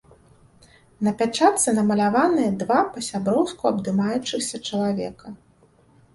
На пячатцы намаляваныя два па-сяброўску абдымаючыхся чалавека.